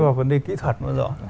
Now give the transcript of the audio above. đi vào vấn đề kỹ thuật nữa rõ